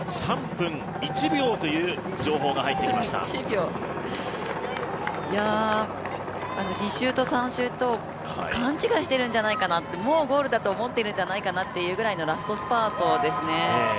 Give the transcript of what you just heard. ３分１秒いやあ、２周と３周と勘違いしてるんじゃないかってもうゴールだと思っているんじゃないかというぐらいのラストスパートですね。